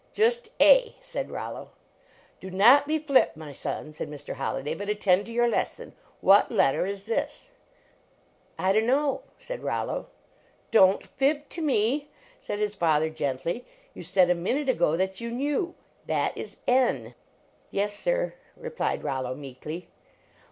" "Just A," said Rollo. Do not be flip, my son, said Mr. Holli day, " but attend to your lesson. What let ter is this? "" I dunno," said Rollo. Don t fib to me," said his father, gently, "you said a minute ago that you knew. That is N." " Yes, sir," replied Rollo, meekly.